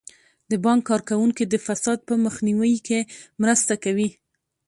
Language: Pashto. د بانک کارکوونکي د فساد په مخنیوي کې مرسته کوي.